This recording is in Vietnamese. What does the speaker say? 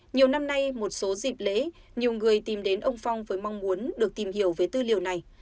nhiều năm nay một số dịp lễ nhiều người tìm đến ông phong với mong muốn được tìm hiểu về tư liệu này